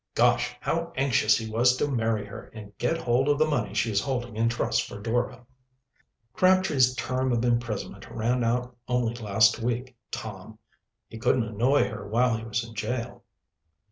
"Gosh! how anxious he was to marry her and get hold of the money she is holding in trust for Dora." "Crabtree's term of imprisonment ran out only last week, Tom. He couldn't annoy her while he was in jail."